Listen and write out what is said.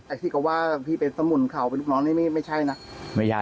แต่ที่เค้าว่าหลุงพี่เป็นสมุนข่าวเป็นลูกน้องนี่ไม่ใช่นะ